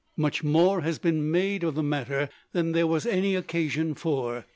Much more has been made of the matter than there was any occasion for.